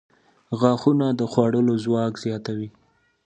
• غاښونه د خوړلو ځواک زیاتوي.